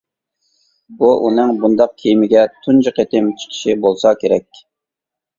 بۇ ئۇنىڭ بۇنداق كېمىگە تۇنجى قېتىم چىقىشى بولسا كېرەك.